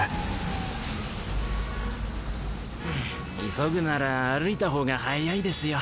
急ぐなら歩いたほうが早いですよ。